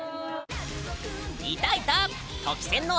いたいた！